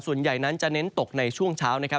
ส่วนใหญ่จะเน้นตกในช่วงเช้า